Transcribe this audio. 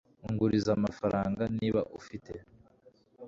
unguriza amafaranga, niba ufite